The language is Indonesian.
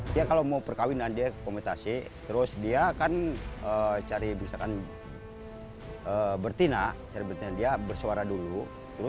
di sini kami menemukan badak jawa yang berjumlah tujuh puluh enam ekor